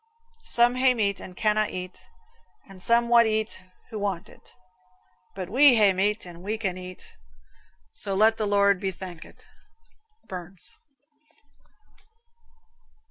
Some hae meat and canna' eat, And some wad eat who want it; But we hae meat and we can eat, So let the Lord be thankit. Burns.